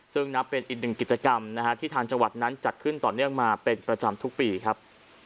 ซึ่งนับเป็นอีกหนึ่งกิจกรรมนะฮะที่ทางจังหวัดนั้นจัดขึ้นต่อเนื่องมาเป็นประจำทุกปีครับ